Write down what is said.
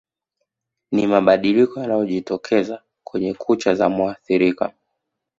Ni mabadiliko yanayojitokeza kwenye kucha za muathirika